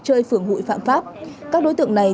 chơi phường hội phạm pháp các đối tượng này